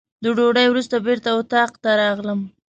د ډوډۍ وروسته بېرته اتاق ته راغلم.